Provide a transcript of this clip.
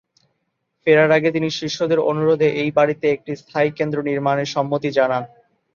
ফেরার আগে তিনি শিষ্যদের অনুরোধে এই বাড়িতে একটি স্থায়ী কেন্দ্র নির্মাণে সম্মতি জানান।